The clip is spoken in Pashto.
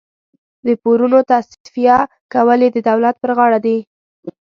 د پورونو تصفیه کول یې د دولت پر غاړه دي.